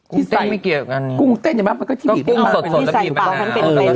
กุ้งเต้นไม่เกี่ยวกันกุ้งเต้นอย่างงั้นมันก็ที่บีบอ๋อกุ้งสดสดแล้วบีบมาอ๋อ